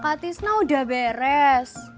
kakak tisna udah beres